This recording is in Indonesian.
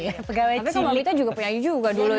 tapi kamu ipli itu juga penyanyi juga dulu ya